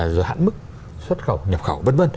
rồi hạn mức xuất khẩu nhập khẩu v v